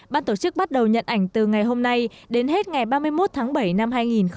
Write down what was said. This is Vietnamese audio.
bán tổ chức bắt đầu nhận ảnh từ ngày hôm nay đến hết ngày ba mươi một tháng bảy năm hai nghìn một mươi tám